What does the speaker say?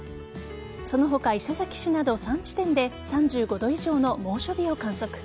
その他、伊勢崎市など３地点で３５度以上の猛暑日を観測。